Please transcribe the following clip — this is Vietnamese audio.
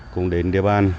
cũng đến địa bàn